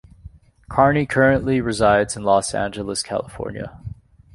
Carney currently resides in Los Angeles, California.